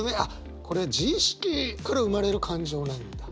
これ自意識から生まれる感情なんだ。